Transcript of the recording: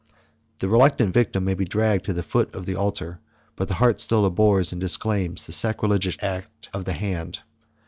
The reluctant victim may be dragged to the foot of the altar; but the heart still abhors and disclaims the sacrilegious act of the hand.